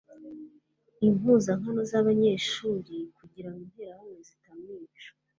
impuzankano z'abanyeshuri kugira ngo interahamwe zitamwica